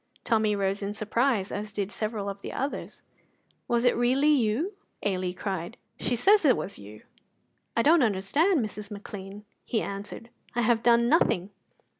Tommy rose in surprise, as did several of the others. "Was it really you?" Ailie cried. "She says it was you!" "I don't understand, Mrs. McLean," he answered; "I have done nothing."